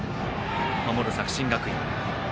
守る作新学院。